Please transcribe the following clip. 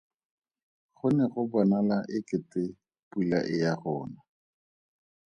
Go ne go bonala e kete pula e ya go na.